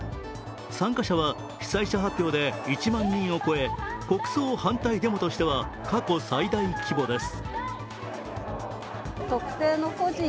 参加者は主催者発表で１万人を超え国葬反対デモとしては過去最大規模です。